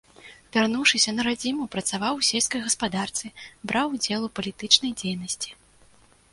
Вярнуўшыся на радзіму, працаваў у сельскай гаспадарцы, браў удзел у палітычнай дзейнасці.